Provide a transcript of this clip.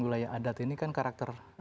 wilayah adat ini kan karakter